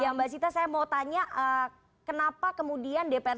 ya mbak zita saya mau tanya kenapa kemudian dprd